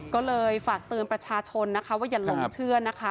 ก็เลยฝากเตือนประชาชนนะคะว่าอย่าหลงเชื่อนะคะ